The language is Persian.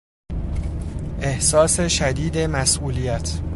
احساس شدید مسئولیت